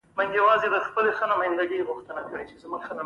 ناپولیون څخه کومک غوښتی وو.